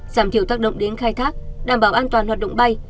giảm thiểu tác động đến khai thác đảm bảo an toàn hoạt động bay